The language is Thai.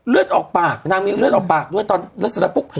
เลือดออกปากนางมีเลือดออกปากด้วยตอนแล้วเสร็จแล้วปุ๊บ